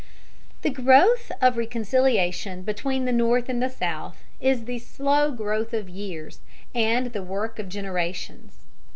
The growth of reconciliation between the North and the South is the slow growth of years, and the work of generations.